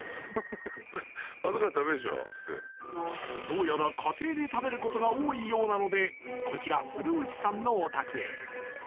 どうやら家庭で食べることが多いようなので、こちら古内さんのお宅へ。